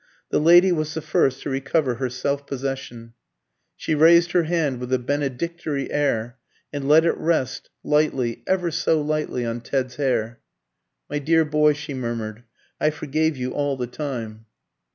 The lady was the first to recover her self possession. She raised her hand with a benedictory air and let it rest lightly, ever so lightly, on Ted's hair. "My dear boy," she murmured, "I forgave you all the time."